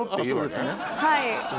はい。